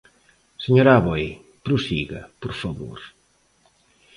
Señora Aboi, prosiga, por favor.